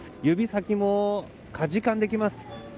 指先もかじかんできます。